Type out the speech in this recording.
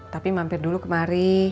tapi mampir dulu kemari